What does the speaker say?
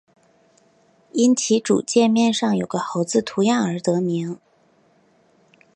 因其主界面上有个猴子图样而得名。